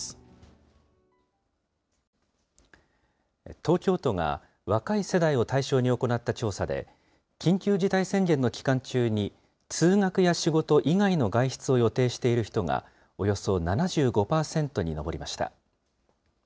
東京都が、若い世代を対象に行った調査で、緊急事態宣言の期間中に、通学や仕事以外の外出を予定している人が、およそ７５％に上りました。